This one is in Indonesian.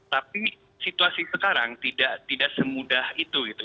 tapi situasi sekarang tidak semudah itu gitu